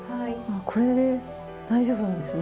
これで大丈夫なんですね？